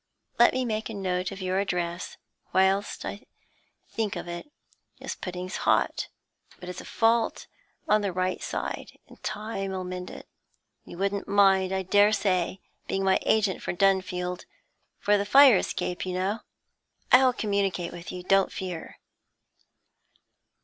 Let me make a note of your address whilst I think of it. This pudding's hot, but it's a fault on the right side, and time 'll mend it. You wouldn't mind, I daresay, being my agent for Dunfield for the fire escape, you know? I'll communicate with you, don't fear.'